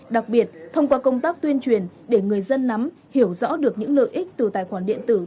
đặc biệt thông qua công tác tuyên truyền để người dân nắm hiểu rõ được những lợi ích từ tài khoản điện tử